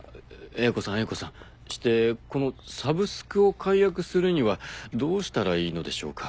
英子さん英子さんしてこのサブスクを解約するにはどうしたらいいのでしょうか？